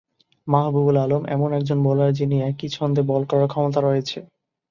মাহবুবুল আলম এমন একজন বোলার যিনি একই ছন্দে বল করার ক্ষমতা রয়েছে।